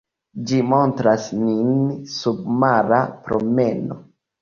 Ĝi montras nin submara promeno.